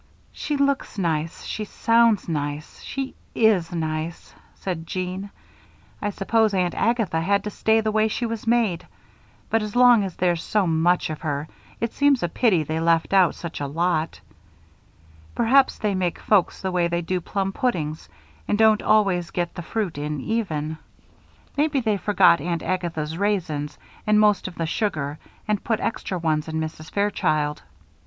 "She looks nice, she sounds nice, and she is nice," said Jeanne. "I suppose Aunt Agatha had to stay the way she was made, but as long as there's so much of her, it seems a pity they left out such a lot. Perhaps they make folks the way they do plum puddings and don't always get the fruit in even. Maybe they forgot Aunt Agatha's raisins and most of the sugar and put extra ones in Mrs. Fairchild.